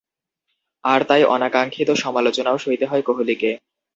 আর তাই অনাকাঙ্ক্ষিত সমালোচনাও সইতে হয় কোহলিকে।